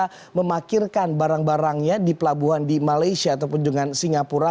mereka memakirkan barang barangnya di pelabuhan di malaysia ataupun dengan singapura